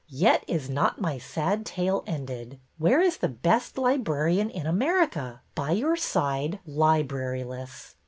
Yet is not my sad tale ended. Where is the best librarian in America ? By your side, libraryless